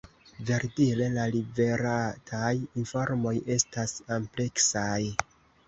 Verdire la liverataj informoj estas ampleksaj.